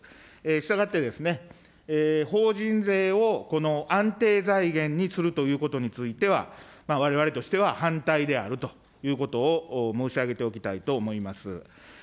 したがって、法人税を安定財源にするということについては、われわれとしては反対であるということを申し上げておきたいと思います。